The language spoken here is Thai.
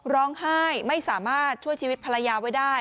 ร้องไห้ไม่สามารถช่วยชีวิตภรรยาไว้ได้